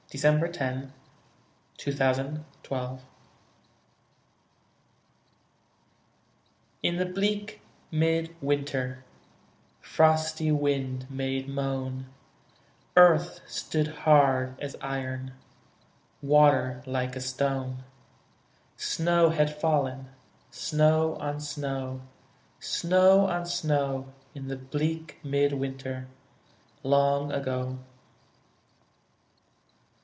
Robert Stephen Hawker. LONG AGO. In the bleak mid winter Frosty wind made moan, Earth stood hard as iron, Water like a stone; Snow had fallen, snow on snow, Snow on snow, In the bleak mid winter Long ago.